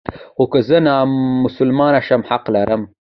خو که زه نامسلمان شم حق لرم.